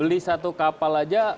beli satu kapal saja